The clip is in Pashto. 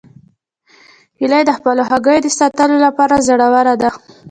هیلۍ د خپلو هګیو د ساتلو لپاره زړوره ده